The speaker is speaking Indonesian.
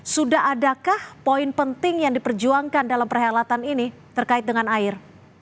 sudah adakah poin penting yang diperjuangkan dalam perhelatan ini terkait dengan air